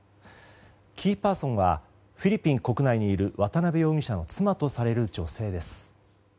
キーパーソンはフィリピン国内にいる渡邉容疑者の妻とされる女性です。